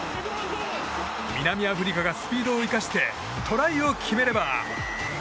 南アフリカがスピードを生かしてトライを決めれば。